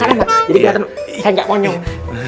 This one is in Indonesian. keren gak jadi keliatan saya gak monyong